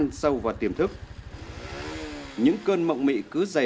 mày thích cái gì